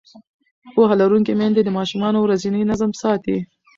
پوهه لرونکې میندې د ماشومانو ورځنی نظم ساتي.